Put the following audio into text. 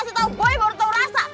kasih tau boy baru tau rasa